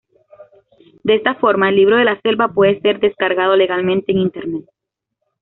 De esta forma, "El libro de la selva" puede ser descargado legalmente en Internet.